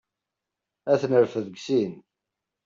Ad t-nerfed deg sin.